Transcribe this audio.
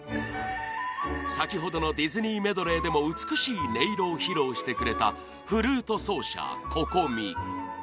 先ほどのディズニーメドレーでも美しい音色を披露してくれたフルート奏者Ｃｏｃｏｍｉ